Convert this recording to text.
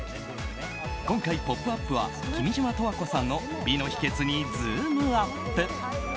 今回「ポップＵＰ！」は君島十和子さんの美の秘訣にズームＵＰ！